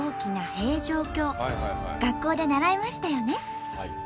学校で習いましたよね。